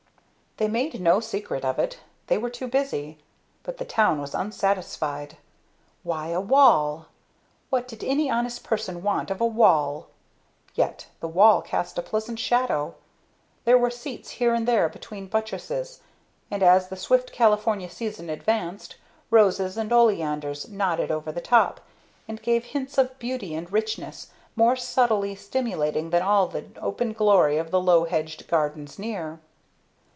They made no secret of it, they were too busy; but the town was unsatisfied. Why a wall? What did any honest person want of a wall? Yet the wall cast a pleasant shadow; there were seats here and there between buttresses, and, as the swift California season advanced, roses and oleanders nodded over the top, and gave hints of beauty and richness more subtly stimulating than all the open glory of the low hedged gardens near.